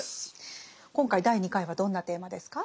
今回第２回はどんなテーマですか？